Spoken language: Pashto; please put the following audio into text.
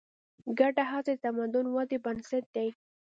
ګډه هڅه د تمدن ودې بنسټ دی.